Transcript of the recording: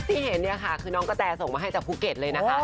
ที่เห็นเนี่ยค่ะคือน้องกระแตส่งมาให้จากภูเก็ตเลยนะคะ